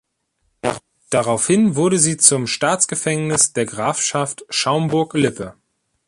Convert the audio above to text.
Daraufhin wurde sie zum Staatsgefängnis der Grafschaft Schaumburg-Lippe.